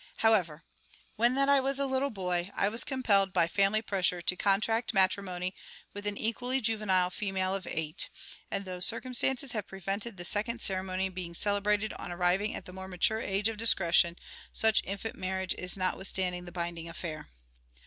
However, when that I was a little tiny boy, I was compelled by family pressure to contract matrimony with an equally juvenile female of eight, and, though circumstances have prevented the second ceremony being celebrated on arriving at the more mature age of discretion, such infant marriage is notwithstanding the binding affair.